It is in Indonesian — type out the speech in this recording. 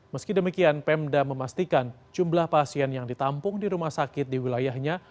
meski demikian pemda memastikan jumlah pasien yang ditampung di rumah sakit di wilayahnya